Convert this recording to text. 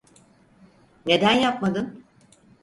Neden yapmadın?